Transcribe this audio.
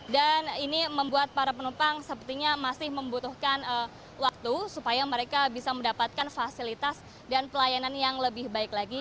dan ini membuat para penumpang sepertinya masih membutuhkan waktu supaya mereka bisa mendapatkan fasilitas dan pelayanan yang lebih baik lagi